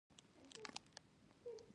راکټ ډیر قوت لري